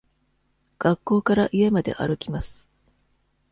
学校から家まで歩きます。